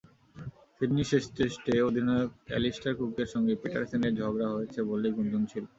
সিডনির শেষ টেস্টে অধিনায়ক অ্যালিস্টার কুকের সঙ্গে পিটারসেনের ঝগড়া হয়েছে বলেই গুঞ্জন ছিল।